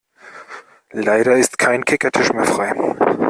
Leider ist kein Kickertisch mehr frei.